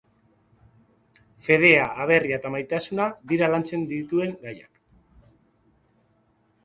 Fedea, aberria eta maitasuna dira lantzen dituen gaiak.